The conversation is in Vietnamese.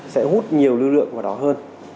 sẽ hút nhiều lưu lượng vào đó hơn